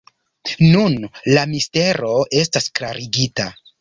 Nun la mistero estas klarigita.